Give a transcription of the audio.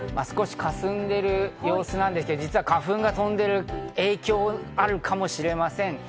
少し霞んでいる様子なんですけど、実は花粉が飛んでいる影響があるかもしれません。